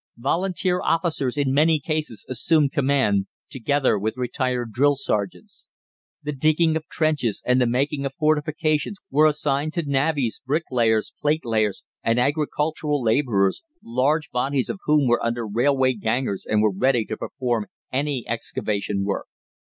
Volunteer officers in many cases assumed command, together with retired drill sergeants. The digging of trenches and the making of fortifications were assigned to navvies, bricklayers, platelayers, and agricultural labourers, large bodies of whom were under railway gangers, and were ready to perform any excavation work.